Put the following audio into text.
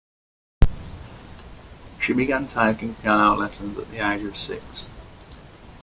She began taking piano lessons at the age of six.